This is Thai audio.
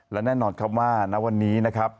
และแน่นอนครับว่าณวันนี้นะครับ